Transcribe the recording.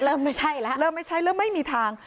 ไม่ใช่แล้วเริ่มไม่ใช่เริ่มไม่มีทาง